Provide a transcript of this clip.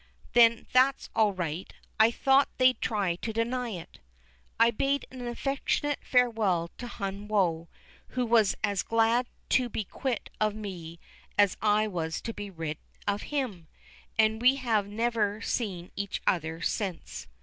"Then that's all right: I thought they'd try to deny it." I bade an affectionate farewell to Hun Woe, who was as glad to be quit of me as I was to be rid of him, and we have never seen each other since.